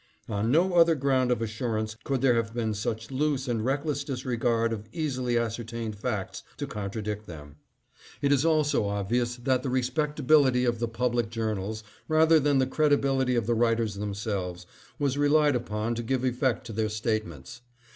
On no other ground of assurance could there have been such loose and reckless disregard of easily ascertained facts to contradict them. It is also obvious that the respectability of the public journals, rather than the credibility of the writers themselves, was relied upon to give effect to their statements.